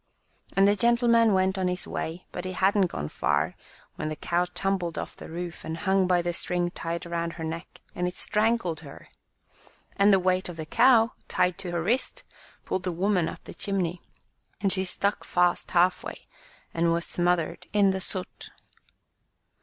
And the gentleman went on his way, but he hadn't gone far when the cow tumbled off the roof, and hung by the string tied round her neck, and it strangled her. And the weight of the cow tied to her wrist pulled the woman up the chimney, and she stuck fast half way and was smothered in the soot.